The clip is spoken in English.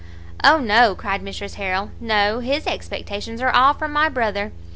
"O no," cried Mrs Harrel, "no; his expectations are all from my brother.